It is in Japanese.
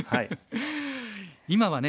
今はね